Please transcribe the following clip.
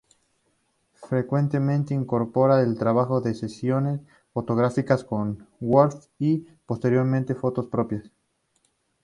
Frecuentemente incorporaba el trabajo de sesiones fotográficas con Wolff y, posteriormente, fotos propias.